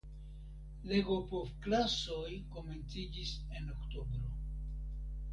Legopovklasoj komenciĝis en oktobro.